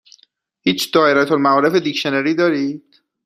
هیچ دائره المعارف دیکشنری دارید؟